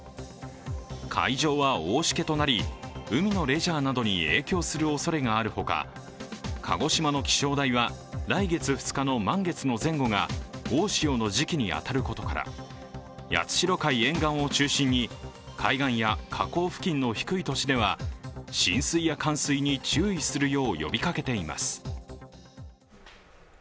海上は大しけとなり海のレジャーなどに影響するおそれがあるほか鹿児島の気象台は来月２日の満月の前後が大潮の時期に当たることから、八代海沿岸を中心に海岸や河口付近の低い土地では浸水や冠水に注意するよ呼びかけています。